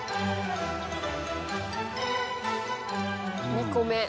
２個目。